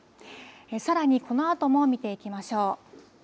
さらにこのあとも見ていきましょう。